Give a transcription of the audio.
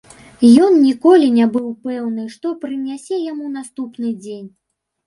Ён ніколі не быў пэўны, што прынясе яму наступны дзень.